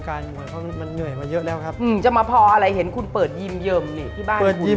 แล้วตอนนี้คิดจะไปโชคอีกไหม